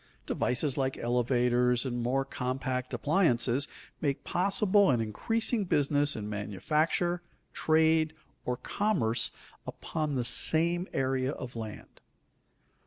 Devices like elevators, and more compact appliances, make possible an increasing business in manufacture, trade, or commerce upon the same area of land.